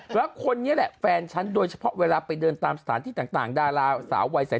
แล้วคนนี้แหละแฟนฉันโดยเฉพาะเวลาไปเดินตามสถานที่ต่างดาราสาววัยใส่